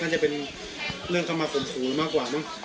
น่าจะเป็นเรื่องเข้ามาฝนครูมากกว่า